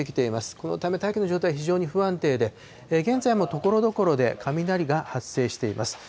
このため、大気の状態、非常に不安定で、現在もところどころで雷が発生しています。